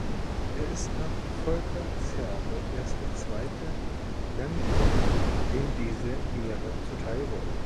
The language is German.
Er ist nach Volker Zerbe erst der zweite Lemgoer, dem diese Ehre zuteilwurde.